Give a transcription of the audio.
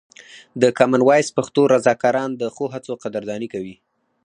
د کامن وایس پښتو رضاکاران د ښو هڅو قدرداني کوي.